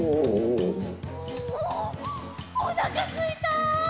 ううおなかすいた！